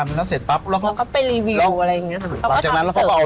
พอไม่มีเพราะว่าเขาไม่เห็นคนนั่งกินในร้าน